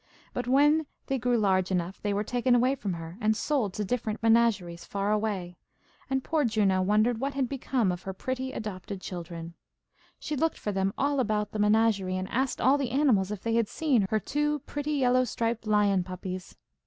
But when they grew large enough they were taken away from her, and sold to different menageries far away, and poor Juno wondered what had become of her pretty adopted children. She looked for them all about the menagerie, and asked all the animals if they had seen her two pretty yellow striped lion puppies.